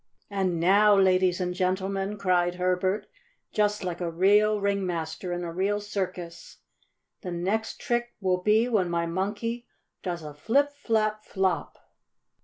"And now, Ladies and Gentlemen!" cried Herbert, just like a real ringmaster in a real circus, "the next trick will be when my Monkey does a flip flap flop!"